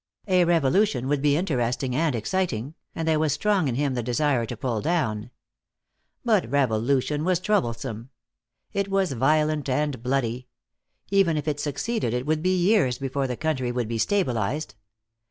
A revolution would be interesting and exciting, and there was strong in him the desire to pull down. But revolution was troublesome. It was violent and bloody. Even if it succeeded it would be years before the country would be stabilized.